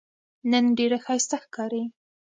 نن ډېره ښایسته ښکارې